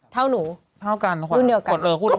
เท่าหนูดูเหนือกันคุณขวานรู้นึง